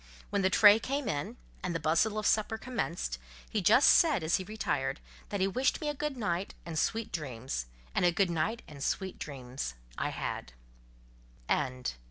When the tray came in, and the bustle of supper commenced, he just said, as he retired, that he wished me a good night and sweet dreams; and a good night and sweet dreams I had.